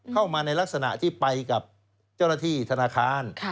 เข้ามาในลักษณะที่ไปกับเจ้าหน้าที่ธนาคาร